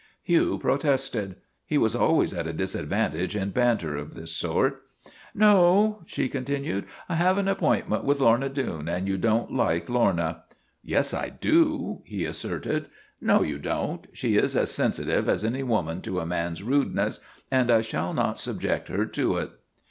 Hugh protested. He was always at a disad vantage in banter of this sort. ' No," she continued, ' I have an appointment with Lorna Doone, and you don't like Lorna." " Yes, I do," he asserted. ' No, you don't. She is as sensitive as any woman to a man's rudeness, and I shall not subject her to it."